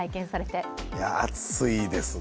いや、暑いですね。